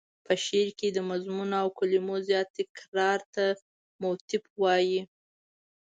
په شعر کې د مضمون او کلمو زیات تکرار ته موتیف وايي.